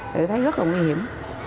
thì thấy rất là nguy hiểm